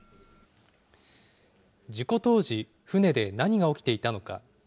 事故当時、船で何が起きていたのか。